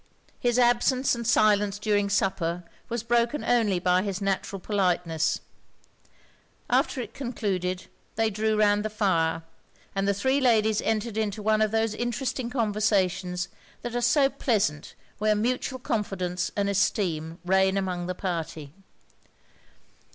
His absence and silence during supper was broken only by his natural politeness. After it concluded, they drew round the fire; and the three ladies entered into one of those interesting conversations that are so pleasant where mutual confidence and esteem reign among the party.